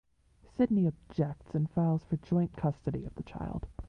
Sidney objects and files for joint custody of the child.